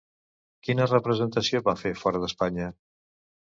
Quina representació va fer fora d'Espanya?